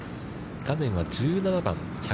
画面は、１７番。